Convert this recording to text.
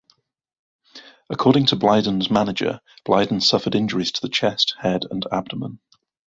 According to Blyden's manager, Blyden suffered injuries to the chest, head and abdomen.